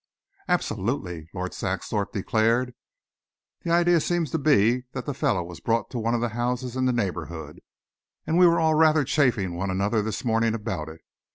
"Absolutely," Lord Saxthorpe declared. "The idea seems to be that the fellow was brought to one of the houses in the neighbourhood, and we were all rather chaffing one another this morning about it.